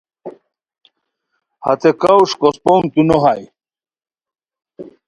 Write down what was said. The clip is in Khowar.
ہتے کاوݰ کوس پونگتو نو بائے